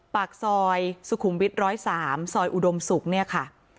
ปากซอยสุขุมวิทร้อยสามซอยอุดมสุกเนี่ยค่ะ